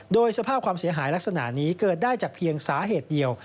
โดยสภาพความเสียหายลักษณะนี้เกิดได้จากเพียงสาเหตุเดียว